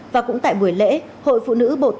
và cũng tại buổi lễ hội phụ nữ bộ tư lệnh